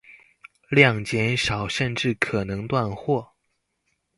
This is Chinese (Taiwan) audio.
量減少甚至可能斷貨